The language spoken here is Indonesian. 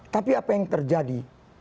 tapi apa yang terjadi